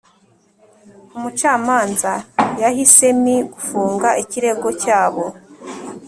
umucamanza yahisemi gufunga ikirego cyabo